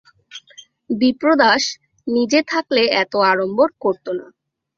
বিপ্রদাস নিজে থাকলে এত আড়ম্বর করত না।